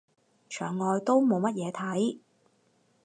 牆外都冇乜嘢睇